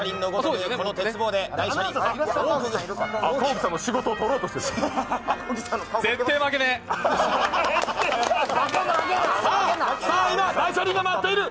赤荻さんの仕事をとろうとしている。